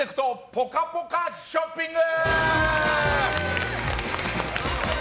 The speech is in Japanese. ぽかぽかショッピング！